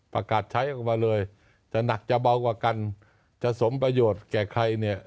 ประกาศใช้ออกมาเลยจะหนักจะเบากว่ากันจะสมประโยชน์แก่ใครเนี่ย